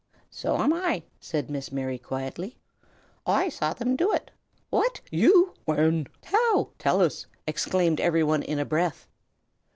"So am I," said Miss Mary, quietly. "I saw them do it." "What!" "You!" "When?" "How?" "Tell us!" exclaimed every one, in a breath.